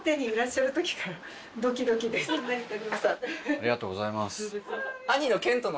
ありがとうございます。